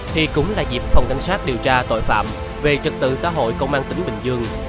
thì cũng là dịp phòng cảnh sát điều tra tội phạm về trật tự xã hội công an tỉnh bình dương